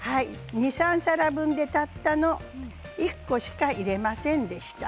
２、３皿分で、たったの１個しか入れませんでした。